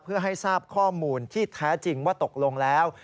เพื่อให้ทราบข้อมูลที่แท้จริงว่าตกลงแล้ว